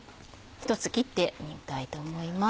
１つ切ってみたいと思います。